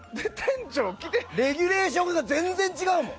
レギュレーションが全然違うもん。